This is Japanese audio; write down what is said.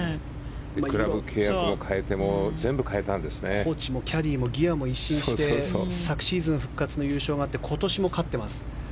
クラブ系もコーチもキャディーもギアも一新して昨シーズン復活の優勝があって今年も勝ってます。